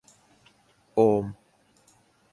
โอม